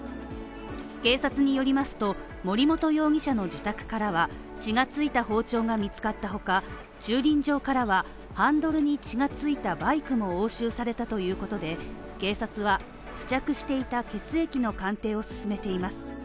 警察によりますと、森本容疑者の自宅からは血が付いた包丁が見つかったほか、駐輪場からは、ハンドルに血が付いたバイクも押収されたということで、警察は付着していた血液の鑑定を進めています。